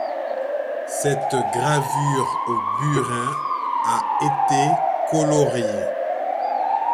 Cette gravure au burin a été coloriée.